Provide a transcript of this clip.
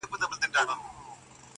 چـي اخترونـه پـه واوښـتــل